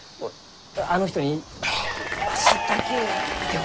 あの人にわしだけを見てほしい。